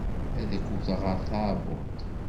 Ad k-wteɣ ɣer tɛebbuḍt.